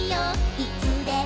「いつでも」